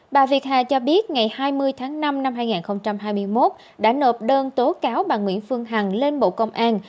bà việt hà cho biết ngày hai mươi tháng năm năm hai nghìn hai mươi một đã nộp đơn tố cáo bà nguyễn phương hằng lên bộ công an